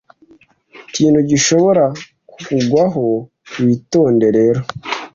Ikintu gishobora kukugwaho, witonde rero.